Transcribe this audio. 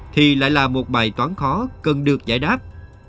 thì lại là một bài toán khó cần được giải đáp